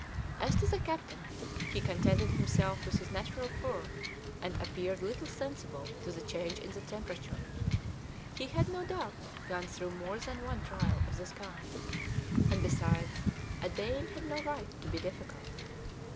As to the captain, he contented himself with his natural fur, and appeared little sensible to the change in the temperature; he had, no doubt, gone through more than one trial of this kind, and besides, a Dane had no right to be difficult.